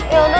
yuk yuk yuk